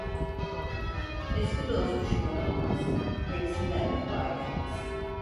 Eski dost düşman olmaz, yenisinden vefa gelmez.